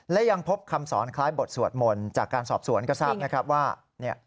และยังพบคำสอนคล้ายบทสวดมนต์จากการสอบสวนก็ทราบนะครับว่าเนี่ย